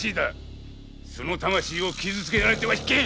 その魂を傷つけられては後にひけぬ